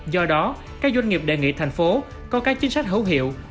do đó các doanh nghiệp đề nghị thành phố có các chính sách hữu hiệu